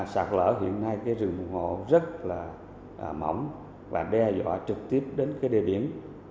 sạt lỡ hiện nay cái rừng phòng hộ rất là mỏng và đe dọa trực tiếp đến cái đề biển